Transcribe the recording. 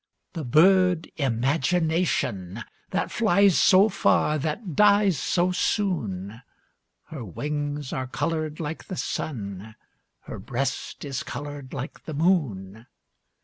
The bird Imagination, That flies so far, that dies so soon; Her wings are colored like the sun, Her breast is colored like the moon.